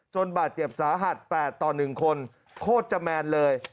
บาดเจ็บสาหัส๘ต่อ๑คนโคตรจะแมนเลย